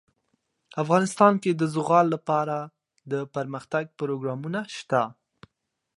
افغانستان کې د زغال لپاره دپرمختیا پروګرامونه شته.